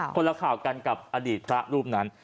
คนละข่าวกันกับอดีตพระรูปนั้น